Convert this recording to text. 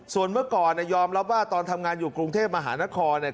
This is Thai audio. ส่วนเมื่อก่อนเนี่ยยอมรับว่าตอนทำงานอยู่กรุงเทพมหานครเนี่ย